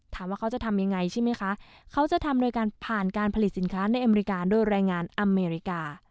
ถามว่าเขาจะทำยังไงใช่ไหมคะเขาจะทำโดยการผ่านการผลิตสินค้าในอเมริกาโดยแรงงานอเมริกา